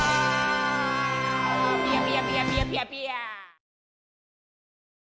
ピヤピヤピヤピヤピヤピヤ！